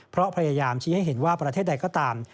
เพราะพยายามชี้ให้เห็นว่าประเทศใดก็ตาม